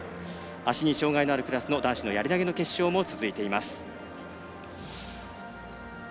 足に障がいのあるクラスの男子のやり投げの決勝も続いています。